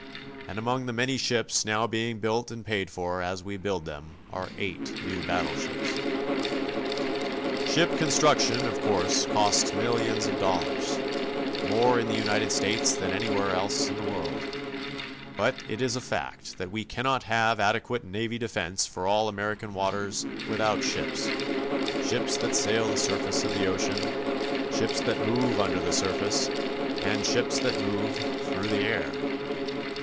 And among the many ships now being built and paid for as we build them are 8 new battleships. Ship construction, of course, costs millions of dollars more in the United States than anywhere else in the world; but it is a fact that we cannot have adequate navy defense for all American waters without ships ships that sail the surface of the ocean, ships that move under the surface and ships that move through the air.